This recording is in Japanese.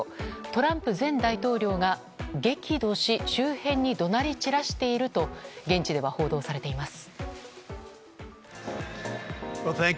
トランプ前大統領が激怒し周辺に怒鳴り散らしていると現地では報道されています。